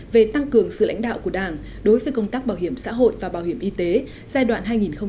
về tăng cường sự lãnh đạo của đảng đối với công tác bảo hiểm xã hội và bảo hiểm y tế giai đoạn hai nghìn một mươi bốn hai nghìn hai mươi